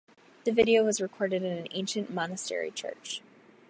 The video was recorded in an ancient monastery church.